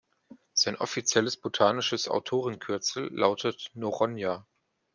Sein offizielles botanisches Autorenkürzel lautet „Noronha“.